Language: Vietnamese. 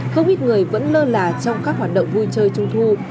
không ít người vẫn lơ là trong các hoạt động vui chơi trung thu